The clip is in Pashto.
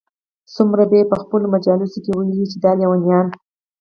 څومره به ئې په خپلو مجالسو كي ويلي وي چې دا ليونيان